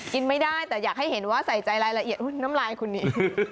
กินไม่ได้แต่อยากให้เห็นว่าใส่ใจรายละเอียดน้ำลายคนนี้